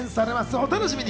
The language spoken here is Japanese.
お楽しみに。